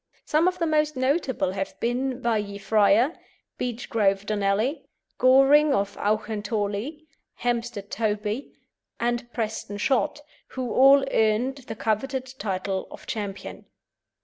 Some of the most notable have been Baillie Friar, Beechgrove Donally, Goring of Auchentorlie, Hempstead Toby, and Preston Shot, who all earned the coveted title of Champion.